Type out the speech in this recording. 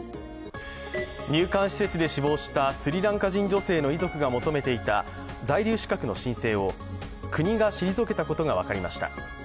入管施設で死亡したスリランカ人女性の遺族が求めていた在留資格の申請を国が退けたことが分かりました。